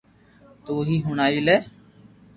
تو ھي ھڻاوي لي